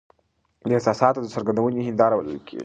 د احساساتو د څرګندوني هنداره بلل کیږي .